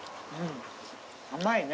甘いね。